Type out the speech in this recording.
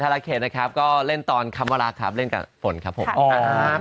ราเขตนะครับก็เล่นตอนคำว่ารักครับเล่นกับฝนครับผมครับ